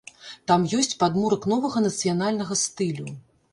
Там ёсць падмурак новага нацыянальнага стылю.